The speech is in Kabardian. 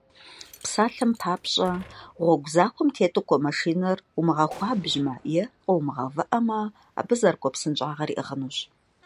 Псалъэм папщӏэ, гъуэгу захуэм тету кӏуэ машинэр, умыгъэхуабжьмэ е къыумыгъэувыӏэмэ, абы зэрыкӏуэ псынщӏагъэр иӏыгъынущ.